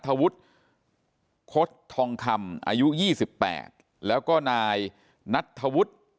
ถวุตคศทองครรมอายุยี่สิบแปดแล้วก็นายนัดถวุต